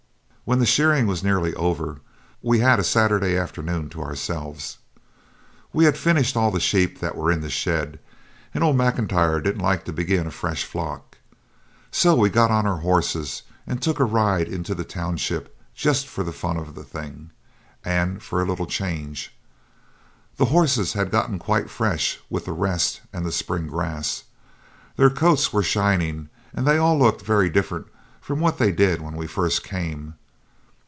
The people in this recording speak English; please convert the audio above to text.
When the shearing was nearly over we had a Saturday afternoon to ourselves. We had finished all the sheep that were in the shed, and old M'Intyre didn't like to begin a fresh flock. So we got on our horses and took a ride into the township just for the fun of the thing, and for a little change. The horses had got quite fresh with the rest and the spring grass. Their coats were shining, and they all looked very different from what they did when we first came.